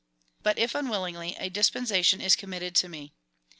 But if unwillingly, a dispensation is committed to me.